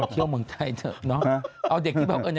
ต้องเช็คก่อน